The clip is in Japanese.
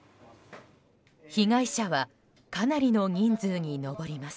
被害者はかなりの人数に上ります。